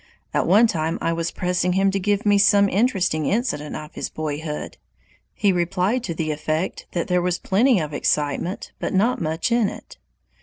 At one time I was pressing him to give me some interesting incident of his boyhood. He replied to the effect that there was plenty of excitement but "not much in it."